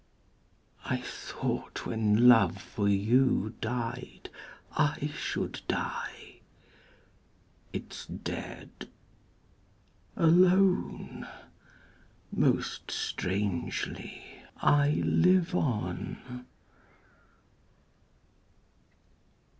I thought when love for you died, I should die. It's dead. Alone, most strangely, I live on.